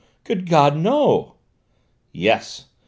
Good God, no!" "Yes!"